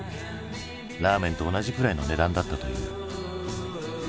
ラーメンと同じくらいの値段だったという。